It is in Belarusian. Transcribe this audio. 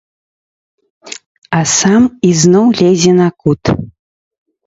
А сам ізноў лезе на кут.